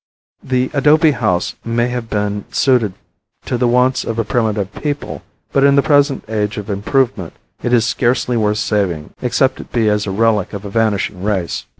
The adobe house may have been suited to the wants of a primitive people, but in the present age of improvement, it is scarcely worth saving except it be as a relic of a vanishing race.